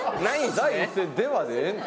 第一声「では」でええの？